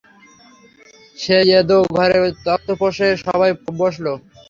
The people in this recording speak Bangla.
সেই এঁদো ঘরে তক্তপোশে সবাই বসল।